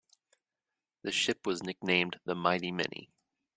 The ship was nicknamed the "Mighty Minnie".